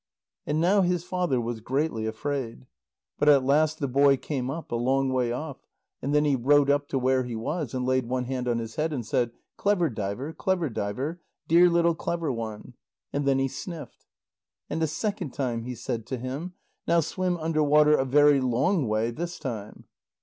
And now his father was greatly afraid. But at last the boy came up, a long way off. And then he rowed up to where he was, and laid one hand on his head, and said: "Clever diver, clever diver, dear little clever one." And then he sniffed. And a second time he said to him: "Now swim under water a very long way this time."